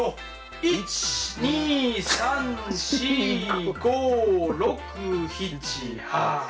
１２３４５６７８。